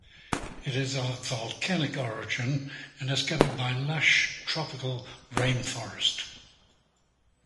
It is of volcanic origin and is covered by lush tropical rainforest.